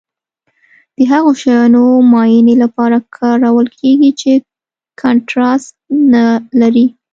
د هغو شیانو معاینې لپاره کارول کیږي چې کانټراسټ نه لري.